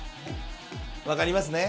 分かりますね？